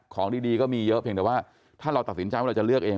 ของดีก็มีเยอะเพียงแต่ว่าถ้าเราตัดสินใจว่าเราจะเลือกเอง